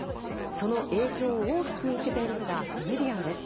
その影響を大きく受けているのがコメディアンです。